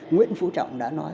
nguyễn phú trọng đã nói